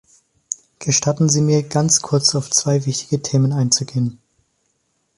Gestatten Sie mir, ganz kurz auf zwei wichtige Themen einzugehen.